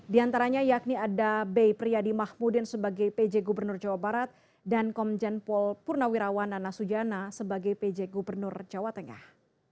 di antaranya yakni ada b priyadi mahmudin sebagai pj gubernur jawa barat dan komjen pol purnawirawan nana sujana sebagai pj gubernur jawa tengah